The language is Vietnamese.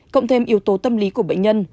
cộng thêm yếu tố tâm lý của bệnh nhân